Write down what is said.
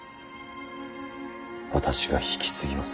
私が引き継ぎます。